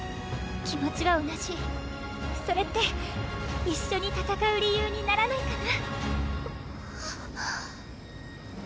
気持ちは同じそれって一緒に戦う理由にならないかな？